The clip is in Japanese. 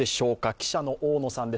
記者の大野さんです。